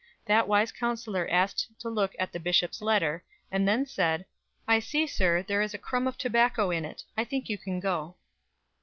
That wise counsellor asked to look at the Bishop's letter, and then said: "I see, sir, there is a crumb of tobacco in it; I think you can go."